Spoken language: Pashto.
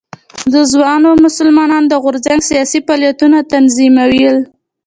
د ځوانو مسلمانانو د غورځنګ سیاسي فعالیتونه تنظیمول.